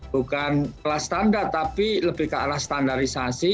bukan ke arah standar tapi lebih ke arah standarisasi